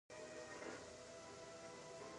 دا چارې د قانون د احکامو په رڼا کې کیږي.